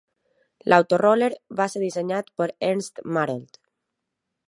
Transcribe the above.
L'Autoroller va ser dissenyat per Ernst Marold.